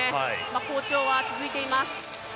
好調は続いています。